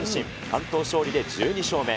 完投勝利で１２勝目。